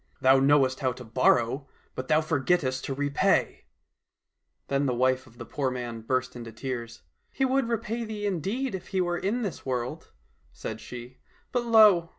Thou knowest how to borrow, but thou forgettest to repay !" Then the wife of the poor man burst into tears. " He would repay thee indeed if he were in this world," said she, *' but lo now